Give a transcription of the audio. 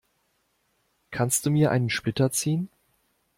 Kannst du mir einen Splitter ziehen?